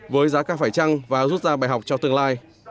với giá cao phải trăng và rút ra bài học cho tương lai